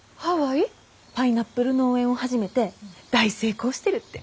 パイナップル農園を始めて大成功してるって。